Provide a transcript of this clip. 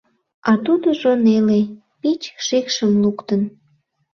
А тудыжо неле, пич шикшым луктын.